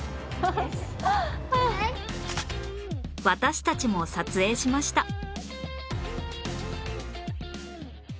私たちも撮影しました